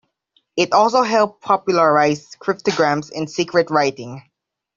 It also helped popularize cryptograms and secret writing.